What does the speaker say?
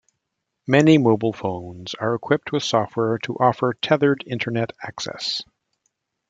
Many mobile phones are equipped with software to offer tethered Internet access.